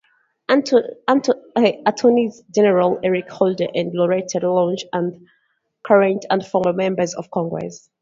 Attorneys General Eric Holder and Loretta Lynch and current and former members of Congress.